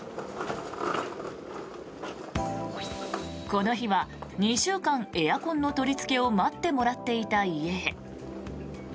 この日は２週間、エアコンの取りつけを待ってもらっていた家へ。